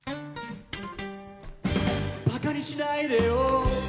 「馬鹿にしないでよ」